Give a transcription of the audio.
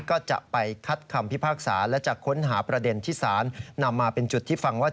ก็จะไปคัดคำพิพากษาและจะค้นหาประเด็นที่ศาลนำมาเป็นจุดที่ฟังว่า